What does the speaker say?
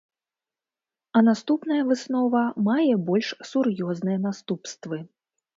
А наступная выснова мае больш сур'ёзныя наступствы.